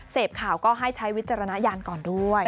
เสพข่าวก็ให้ใช้วิจารณญาณก่อนด้วย